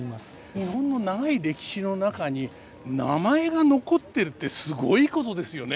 日本の長い歴史の中に名前が残ってるってすごいことですよね。